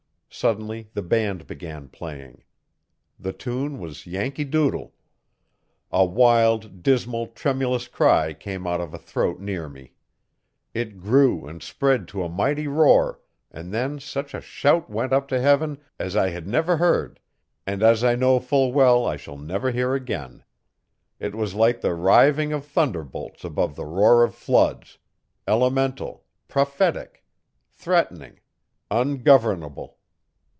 Suddenly the band began playing. The tune was Yankee Doodle. A wild, dismal, tremulous cry came out of a throat near me. It grew and spread to a mighty roar and then such a shout went up to Heaven, as I had never heard, and as I know full well I shall never hear again. It was like the riving of thunderbolts above the roar of floods elemental, prophetic, threatening, ungovernable.